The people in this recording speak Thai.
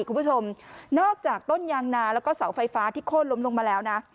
คุณผู้ชมนอกจากต้นยางนาแล้วก็เสาไฟฟ้าที่โค้นล้มลงมาแล้วนะ